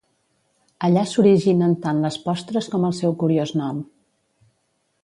Allà s'originen tant les postres com el seu curiós nom.